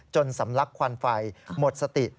สำลักควันไฟหมดสติ